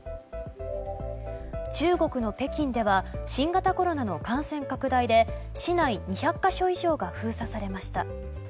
中国の北京では新型コロナの感染拡大で市内２００か所以上が封鎖されました。